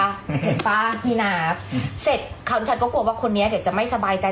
เห็นป่ะที่นับเสร็จเขาฉันก็กลัวว่าคนนี้เดี๋ยวจะไม่สบายใจ